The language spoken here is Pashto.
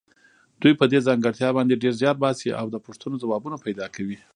دوی په دې ځانګړتیا باندې ډېر زیار باسي او د پوښتنو ځوابونه پیدا کوي.